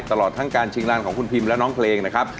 ตลอดทั้งการชิงร้านของคุณพิมและน้องเพลงนะครับ